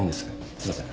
すいません。